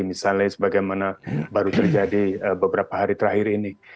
misalnya sebagaimana baru terjadi beberapa hari terakhir ini